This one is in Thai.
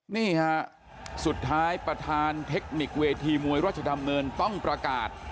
นี่ฮะสุดท้ายประธานเทคนิคเวทีมวยราชดำเนินต้องประกาศ